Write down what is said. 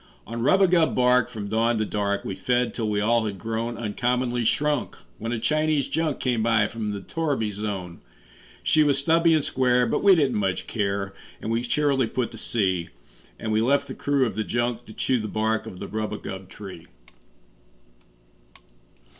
On rubagub bark, from dawn to dark, We fed, till we all had grown Uncommonly shrunk, when a Chinese junk Came by from the torriby zone. She was stubby and square, but we didn't much care, And we cheerily put to sea; And we left the crew of the junk to chew The bark of the rubagub tree.